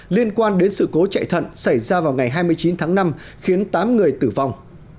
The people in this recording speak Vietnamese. liên quan đến sự cố chạy thận xảy ra vào ngày hai mươi chín tháng năm khiến tám người tử vong